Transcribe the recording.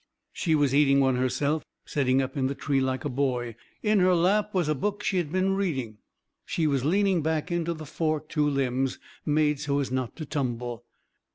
She was eating one herself, setting up in the tree like a boy. In her lap was a book she had been reading. She was leaning back into the fork two limbs made so as not to tumble.